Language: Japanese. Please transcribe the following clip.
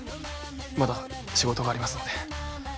まだ仕事がありますので。